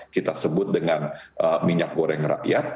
kita sebut dengan minyak goreng rakyat